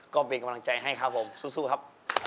ก็เป็นกำลังใจให้ครับผมสู้ครับ